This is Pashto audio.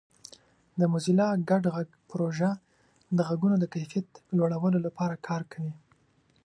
د موزیلا ګډ غږ پروژه د غږونو د کیفیت لوړولو لپاره کار کوي.